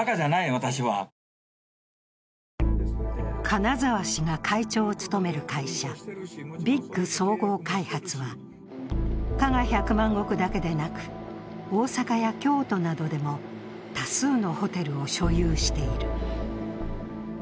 金沢氏が会長を務める会社、ビッグ総合開発は、加賀百万石だけでなく、大阪や京都などでも多数のホテルを所有している。